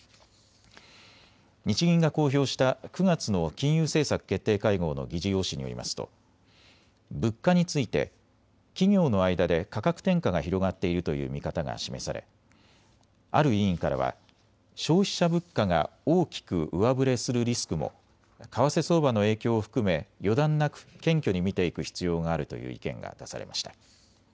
日銀が公表した９月の金融政策決定会合の議事要旨によりますと物価について企業の間で価格転嫁が広がっているという見方が示されある委員からは消費者物価が大きく上振れするリスクも為替相場の影響を含め予断なく謙虚に見ていく必要があるという意見が出されました。